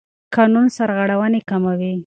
قانون سرغړونې کموي.